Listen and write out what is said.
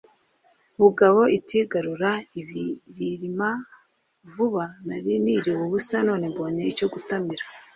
bugabo iti garura ikibirima vuba nari niriwe n’ubusa none mbonye icyo gutamira